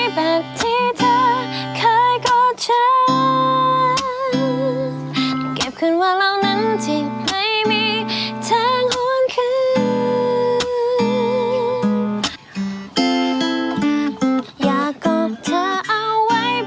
อยากกกทะเอาไว้แบบที่แท้แมนนั้นนั้น